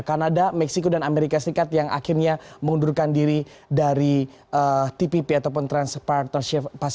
kanada meksiko dan amerika serikat yang akhirnya mengundurkan diri dari tpp ataupun transpartnership